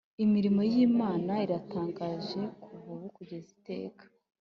imirimo yimana iratangaje kuva ubu kugeza iteka